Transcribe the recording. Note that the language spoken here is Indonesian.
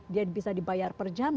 dia bisa dibayar per jam